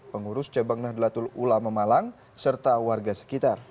pengurus cabang nahdlatul ulama malang serta warga sekitar